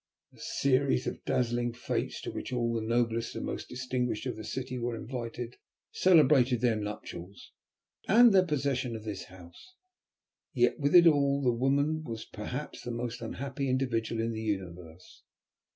A series of dazzling fêtes, to which all the noblest and most distinguished of the city were invited, celebrated their nuptials and their possession of this house. Yet with it all the woman was perhaps the most unhappy individual in the universe.